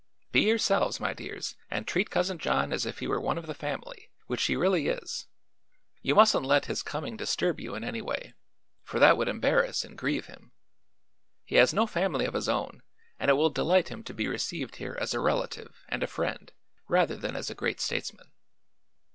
Be yourselves, my dears, and treat Cousin John as if he were one of the family, which he really is. You mustn't let his coming disturb you in any way, for that would embarrass and grieve him. He has no family of his own and it will delight him to be received here as a relative and a friend, rather than as a great statesman."